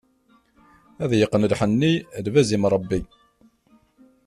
Ad yeqqen lḥenni, lbaz imṛebbi.